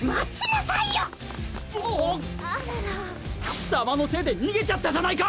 貴様のせいで逃げちゃったじゃないか！